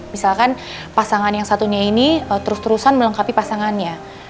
misalkan pasangan yang satunya ini terus terusan melengkapi pasangannya